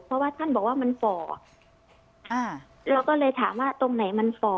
เพราะว่าท่านบอกว่ามันฝ่ออ่าเราก็เลยถามว่าตรงไหนมันฝ่อ